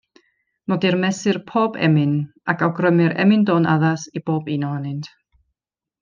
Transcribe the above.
Nodir mesur pob emyn, ac awgrymir emyn-dôn addas i bob un ohonynt.